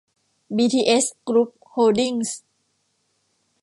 บีทีเอส กรุ๊ป โฮลดิ้งส์